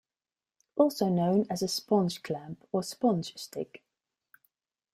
Also known as a sponge clamp, or sponge stick.